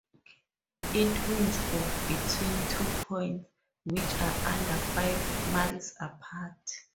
It winds for between two points which are under five miles apart.